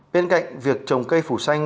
bên cạnh việc trồng cây phủ xanh